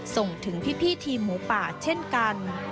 ส่งถึงพี่ทีมหมูป่าเช่นกัน